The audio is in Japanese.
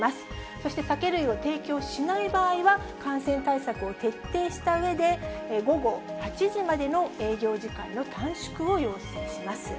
そして酒類を提供しない場合は、感染対策を徹底したうえで、午後８時までの営業時間の短縮を要請します。